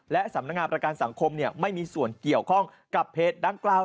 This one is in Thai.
และสำนักงานประกันสังคมไม่มีส่วนเกี่ยวข้องกับเพจดังกล่าว